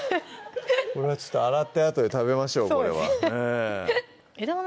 これはちょっと洗ってあとで食べましょう枝豆